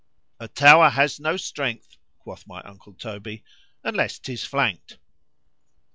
_—[A tower has no strength, quoth my uncle Toby, unless 'tis flank'd.